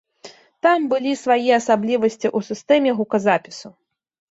Там былі свае асаблівасці ў сістэме гуказапісу.